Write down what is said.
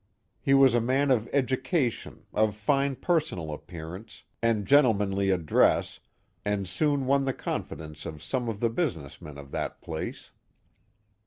He was a man of education, of fine personal appearance, and gentlemanly address, and soon won the confidence of some of the business men of that place.